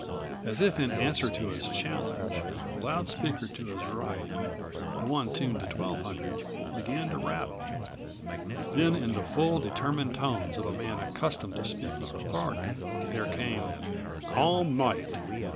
As if in answer to his challenge the loud speaker to his right, the one tuned to 1200, began to rattle. Then, in the full, determined tones of a man accustomed to speak with authority there came: "Calm night."